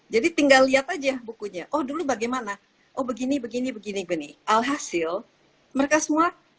jadi tinggal lihat aja bukunya oh dulu bagaimana oh begini begini begini alhasil mereka semua